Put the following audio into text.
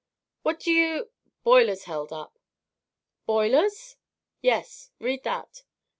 "What do you ?" "Boilers held up." "Boilers?" "Yes. Read that."